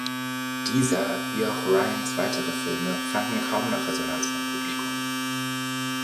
Dieser wie auch Ryans weitere Filme fanden kaum noch Resonanz beim Publikum.